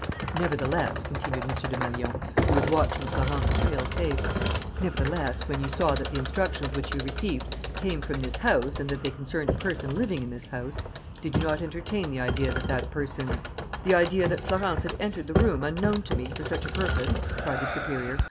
"Nevertheless," continued M. Desmalions, who was watching Florence's pale face, "nevertheless, when you saw that the instructions which you received came from this house and that they concerned a person living in this house, did you not entertain the idea that that person " "The idea that Florence had entered the room, unknown to me, for such a purpose?" cried the superior.